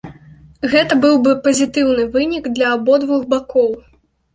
Гэта быў бы пазітыўны вынік для абодвух бакоў.